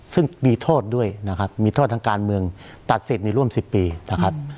ซึ่งมีโทษด้วยนะครับมีโทษทางการเมืองตัดสิทธิ์ในร่วม๑๐ปีนะครับ